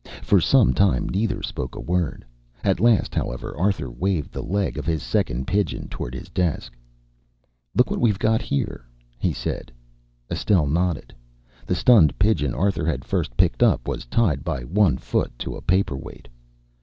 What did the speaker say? For some time neither spoke a word. At last, however, Arthur waved the leg of his second pigeon toward his desk. "Look what we've got here!" he said. Estelle nodded. The stunned pigeon Arthur had first picked up was tied by one foot to a paper weight.